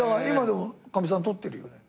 今でもかみさん取ってるよ。